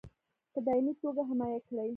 په دایمي توګه حمایه کړي.